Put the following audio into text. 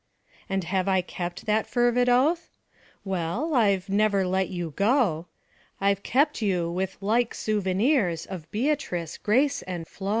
And have I kept that fervid oath? Well I've never let you go: I've kept you with like souvenirs Of Beatrice, Grace and Flo.